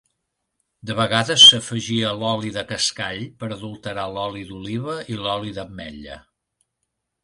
De vegades s'afegia l'oli de cascall per adulterar l'oli d'oliva i l'oli d'ametlla.